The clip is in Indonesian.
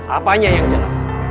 apanya yang jelas